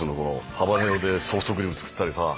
ハバネロでソフトクリーム作ったりさ。